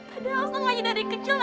padahal setengah aja dari kecil nya